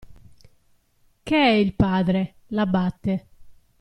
Che è il padre, l'abate.